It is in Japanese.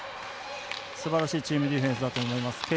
すばらしいチームディフェンスだと思います。